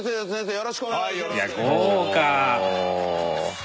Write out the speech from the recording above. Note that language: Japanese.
よろしくお願いします！